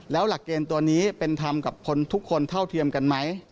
แล้วหลักเกณฑ์ตัวนี้เป็นธรรมกับคนทุกคนเท่าเทียมกันไหม